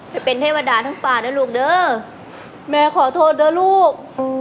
ไปเป็นเทวดาทั้งป่านะลูกเด้อแม่ขอโทษเด้อลูก